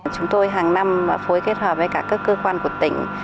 chúng tôi hàng năm phối kết hợp với cả các cơ quan của tỉnh